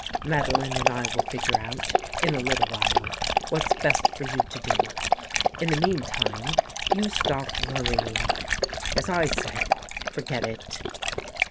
Madeline and I will figure: out, in a little while, what's best for you to do. In the mean time, you stop worrying. As I said, forget it."